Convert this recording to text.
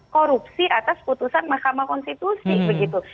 korupsi atas putusan mahkamah konstitusi begitu